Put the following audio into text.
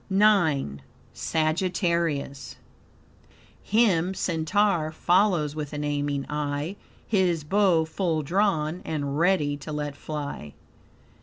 IX. Sagittarius "Him Centaur follows with an aiming eye, His bow full drawn, and ready to let fly."